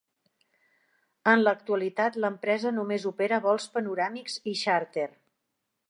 En l'actualitat, l'empresa només opera vols panoràmics i xàrter.